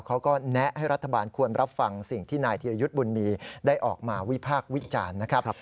เขาก็แนะให้รัฐบาลควรรับฟังสิ่งที่นายธีรยุทธ์บุญมีได้ออกมาวิพากษ์วิจารณ์นะครับ